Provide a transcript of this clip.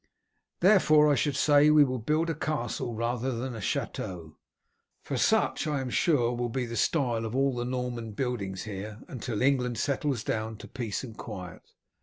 Therefore, I should say we will build a castle rather than a chateau, for such I am sure will be the style of all the Norman buildings here, until England settles down to peace and quiet.